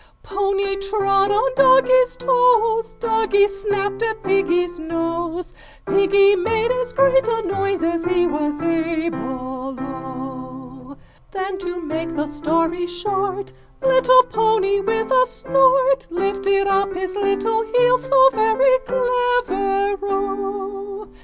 Pony trod on doggy's toes, Doggy snapped at piggy's nose, Piggy made as great a noise as he was able O! 6 Then to make the story short, Little pony with a snort Lifted up his little heels so very clever O!